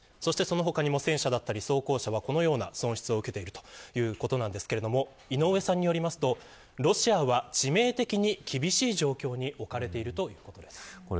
その他にも戦車や装甲車はこのような損失を受けているということですが井上さんによりますとロシアは致命的に厳しい状況に置かれているということです。